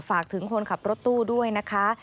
ฝากถึงคนขับรถตู้ด้วยนะคะ